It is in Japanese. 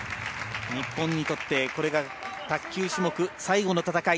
日本にとってこれが卓球種目、最後の戦い。